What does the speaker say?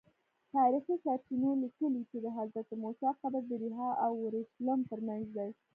تاریخي سرچینو لیکلي چې د حضرت موسی قبر د ریحا او اورشلیم ترمنځ دی.